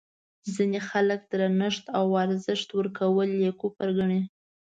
ځینې خلک درنښت او ارزښت ورکول یې کفر ګڼي.